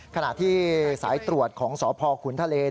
ขณะที่สายตรวจของสพขุนทะเล